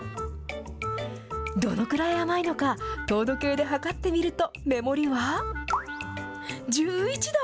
どのくらい甘いのか、糖度計で測ってみると、目盛りは、１１度。